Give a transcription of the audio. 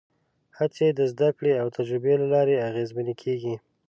هڅې د زدهکړې او تجربې له لارې اغېزمنې کېږي.